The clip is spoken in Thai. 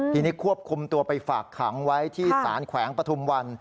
ทีนี้ควบคุมตัวไปฝากขังไว้ที่สารแขวงปฐุมวัน